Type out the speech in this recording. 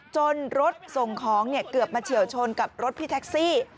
รถส่งของเกือบมาเฉียวชนกับรถพี่แท็กซี่